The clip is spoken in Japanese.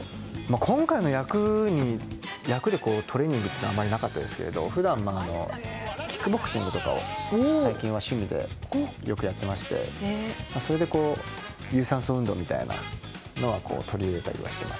今回の役でトレーニングというのはあまりなかったですけど普段、キックボクシングとかを最近は趣味でよくやっていましてそれで、有酸素運動みたいなのは取り入れたりしています。